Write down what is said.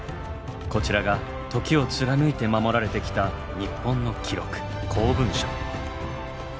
こちらが時を貫いて守られてきた日本の記録公文書。